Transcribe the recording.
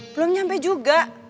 belum nyampe juga